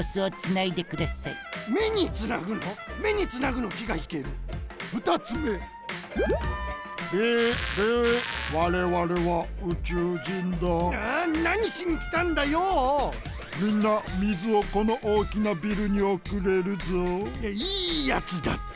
いやいいやつだった！